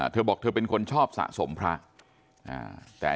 เธอบอกเธอเป็นคนชอบสะสมพระ